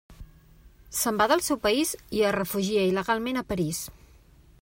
Se’n va del seu país i es refugia il·legalment a París.